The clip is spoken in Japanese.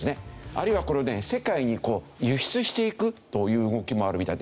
あるいはこれをね世界に輸出していくという動きもあるみたいで。